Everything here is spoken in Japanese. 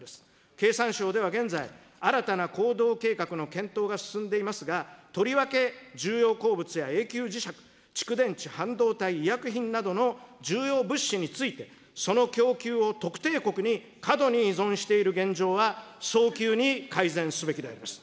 経産省では現在、新たな行動計画の検討が進んでいますが、とりわけ重要鉱物や永久磁石、蓄電池、半導体、医薬品などの重要物資について、その供給を特定国に過度に依存している現状は、早急に改善すべきであります。